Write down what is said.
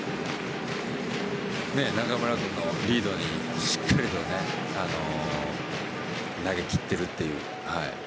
中村君のリードにしっかり投げ切っているという。